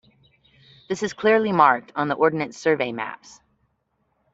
This is clearly marked on the Ordnance Survey maps.